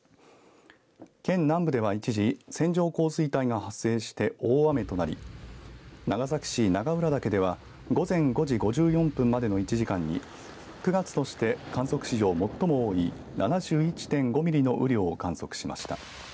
県南部では一時線状降水帯が発生して大雨となり長崎市長浦岳では午前５時５４分までの１時間に９月として観測史上最も多い７１．５ミリの雨量を観測しました。